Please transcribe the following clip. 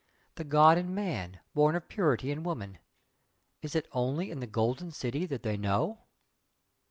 The God in Man, born of purity in woman! Is it only in the Golden City that they know?"